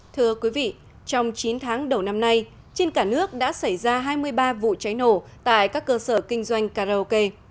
thưa quý vị trong chín tháng đầu năm nay trên cả nước đã xảy ra hai mươi ba vụ cháy nổ tại các cơ sở kinh doanh karaoke